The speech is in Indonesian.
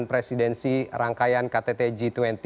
dan presidensi rangkaian ktt g dua puluh